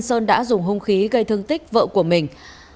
sơn đã dùng hung khí gây thương tích vợ của mình